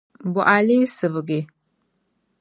Bɔ ka a lee sibigi?